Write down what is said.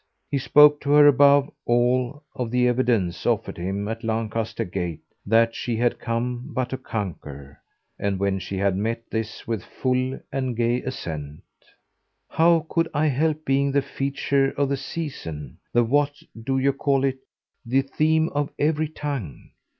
He spoke to her above all of the evidence offered him at Lancaster Gate that she had come but to conquer; and when she had met this with full and gay assent "How could I help being the feature of the season, the what do you call it, the theme of every tongue?"